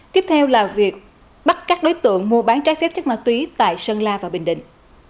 tiếp theo là việc bắt các đối tượng mua bán trái phép chất ma túy tại sơn la và bình định